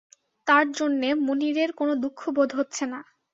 তার জন্যে মুনিরের কোনো দুঃখ বোধ হচ্ছে না।